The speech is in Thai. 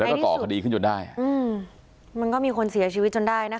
แล้วก็ก่อคดีขึ้นจนได้อืมมันก็มีคนเสียชีวิตจนได้นะคะ